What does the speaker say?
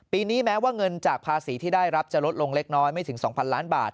ปีนี้แม้ว่าเงินจากภาษีที่ได้รับจะลดลงเล็กน้อยไม่ถึง๒๐๐ล้านบาท